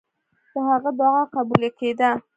د هغه دعا قبوله کېده.